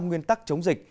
năm nguyên tắc chống dịch